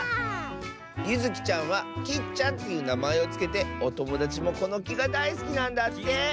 ゆずきちゃんは「きっちゃん」っていうなまえをつけておともだちもこのきがだいすきなんだって！